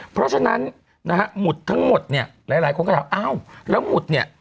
เพราะฉะนั้นนะฮะหมุดทั้งหมดเนี่ยหลายคนก็ถามอ้าวแล้วหมุดเนี่ย